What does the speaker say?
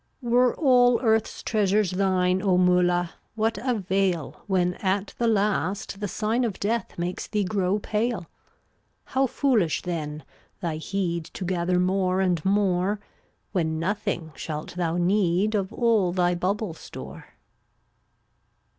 376 Were all earth's treasures thine, O Mullah, what avail, When at the last the sign Of death makes thee grow pale? How foolish, then, thy heed To gather more and more, When nothing shalt thou need Of all thy bubble store.